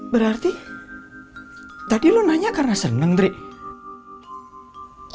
berarti tadi lo nanya karena seneng drik